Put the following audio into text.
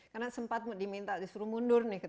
karena sempat diminta disuruh mundur nih